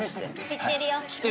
知ってる？